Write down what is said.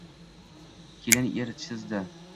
Kelin er chizdi